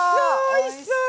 おいしそう！